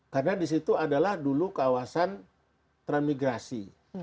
karena di situ adalah dulu kawasan transmigrasi